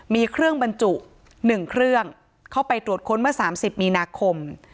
มีเครื่องบรรจุ๑เครื่องเข้าไปตรวจค้นเมื่อ๓๐มีนาคม